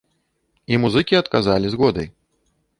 І музыкі адказалі згодай.